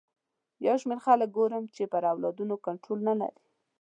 یو شمېر خلک ګورم چې پر اولادونو کنټرول نه لري.